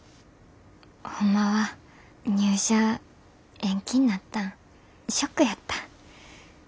ホンマは入社延期になったんショックやった。